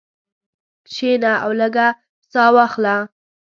کښېنه او لږه ساه واخله.